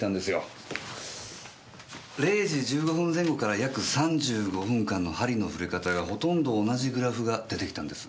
０時１５分前後から約３５分間の針の振れ方がほとんど同じグラフが出てきたんです。